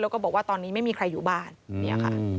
แล้วก็บอกว่าตอนนี้ไม่มีใครอยู่บ้านเนี่ยค่ะ